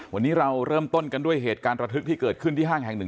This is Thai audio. วันนี้เราเริ่มต้นกันด้วยเหตุการณ์ระทึกที่เกิดขึ้นที่ห้างแห่งหนึ่ง